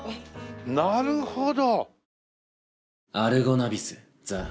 なるほど。